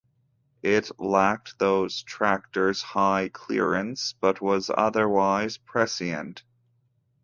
It lacked those tractors' high clearance but was otherwise prescient.